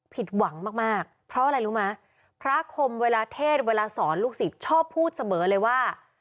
ผิดหวังมากเพราะอะไรรู้ไหมพระคมเวลาเทศเวลาสอนลูกศิษย์ชอบพูดเสมอเลยว่า